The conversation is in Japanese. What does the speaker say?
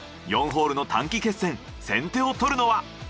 ４ホールの短期決戦先手を取るのは！？